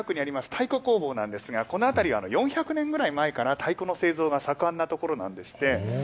太鼓工房なんですが、この辺りは４００年ぐらい前から太鼓の製造が盛んな所なんですって。